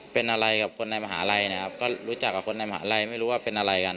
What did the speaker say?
เป็นอะไรกับคนในมหาลัยนะครับก็รู้จักกับคนในมหาลัยไม่รู้ว่าเป็นอะไรกัน